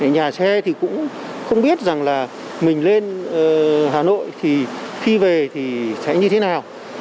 nhà xe thì cũng không biết rằng là mình lên hà nội thì khi về thì sẽ như thế nào